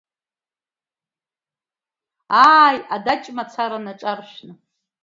Ааи, адаҷ мацара наҿаршәаны…